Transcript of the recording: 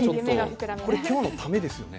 これ今日のためですよね？